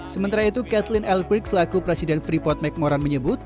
sementara itu kathleen elkrik selaku presiden freeport mcmoran menyebut